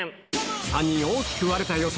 ３人大きく割れた予想。